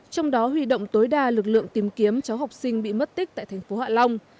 trong đó huy động tối đa lực lượng tìm kiếm cháu học sinh bị mất tích tại thành phố hạ long